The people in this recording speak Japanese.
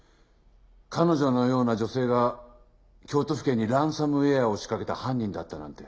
彼女のような女性が京都府警にランサムウェアを仕掛けた犯人だったなんて。